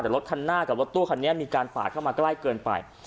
แต่รถคันหน้ากับรถตู้คันนี้มีการปาดเข้ามาใกล้เกินไป